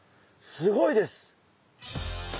すごいです。